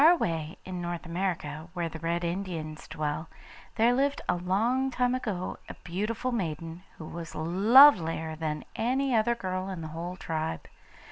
Far away, in North America, where the Red Indians dwell, there lived a long time ago a beautiful maiden, who was lovelier than any other girl in the whole tribe.